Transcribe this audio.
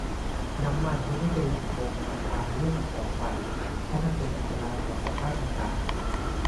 น้ำมันไม่ได้เป็นแหล่งพลังงานทางเลือกอีกต่อไป เพราะมันเป็นอันตรายต่อสภาพอากาศ